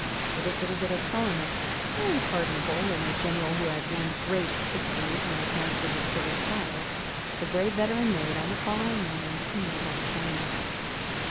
For this little fit of sullenness, very pardonable in a general who had won great victories when his master was still a child, the brave veteran made, on the following morning, a noble atonement.